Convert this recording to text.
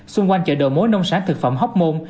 xung quanh chợ đồ mối nông sản thực phẩm hóc môn